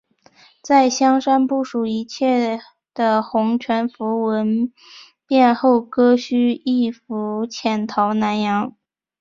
正在香山部署一切的洪全福闻变后割须易服潜逃南洋。